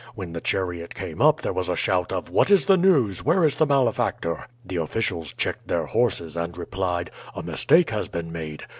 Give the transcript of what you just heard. When the chariot came up there was a shout of, 'What is the news? Where is the malefactor?' The officials checked their horses and replied: 'A mistake has been made.